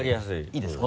いいですか？